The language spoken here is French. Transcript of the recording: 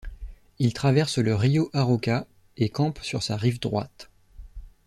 Ils traversent le río Arauca et campent sur sa rive droite.